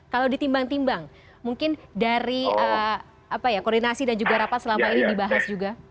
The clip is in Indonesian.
kalau ditimbang timbang mungkin dari koordinasi dan juga rapat selama ini dibahas juga